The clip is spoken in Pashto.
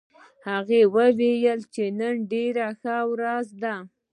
هغه وایي چې نن ډېره ښه ورځ ده